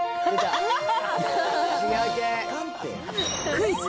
クイズ！